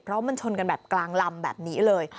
เพราะมันชนกันแบบกลางลำแบบนี้เลย